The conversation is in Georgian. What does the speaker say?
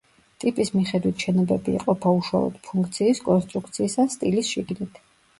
ტიპის მიხედვით შენობები იყოფა უშუალოდ ფუნქციის, კონსტრუქციის ან სტილის შიგნით.